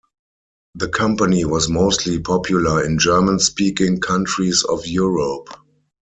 The company was mostly popular in German-speaking countries of Europe.